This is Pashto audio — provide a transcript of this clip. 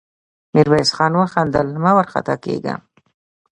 ميرويس خان وخندل: مه وارخطا کېږه!